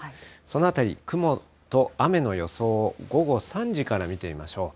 そのあたり雲と雨の予想を午後３時から見てみましょう。